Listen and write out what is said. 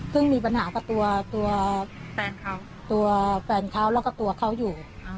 ซึ่งมีปัญหากับตัวแฟนเขาตัวแฟนเขาแล้วก็ตัวเขาอยู่